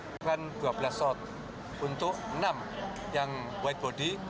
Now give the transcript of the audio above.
dua belas pesawat untuk enam yang white body